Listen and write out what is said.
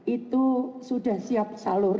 itu sudah siap salur